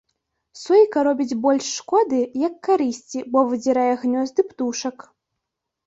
Сойка робіць больш шкоды, як карысці, бо выдзірае гнёзды птушак.